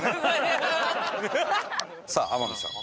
さあ天海さんは？